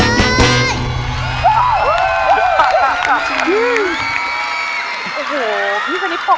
ยังเพราะความสำคัญ